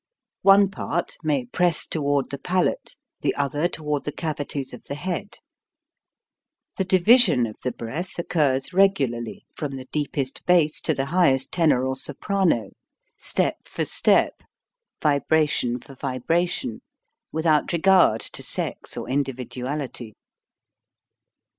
One part may press toward the palate, the other toward the cavities of the head. The division of the breath occurs regularly, from the deepest bass to the highest tenor or soprano, step for step, vibration for vibration, without regard to sex or individuality.